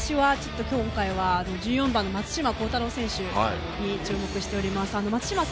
私は今回は１４番の松島幸太朗選手に注目しています。